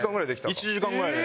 １時間ぐらいで。